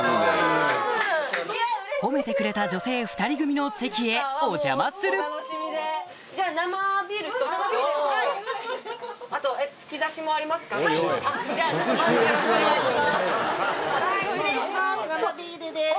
褒めてくれた女性２人組の席へお邪魔する失礼します